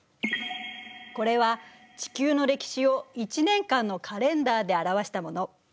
これは地球の歴史を１年間のカレンダーで表したもの。